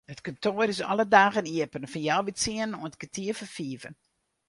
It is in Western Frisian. It kantoar is alle dagen iepen fan healwei tsienen oant kertier foar fiven.